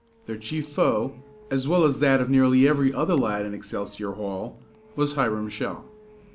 Their chief foe, as well as that of nearly every other lad in Excelsior Hall, was Hiram Shell.